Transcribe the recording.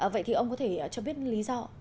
vậy thì ông có thể cho biết lý do